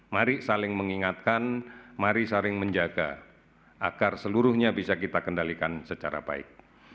mari saling mengingatkan mari saling menjaga agar seluruhnya bisa kita kendalikan secara baik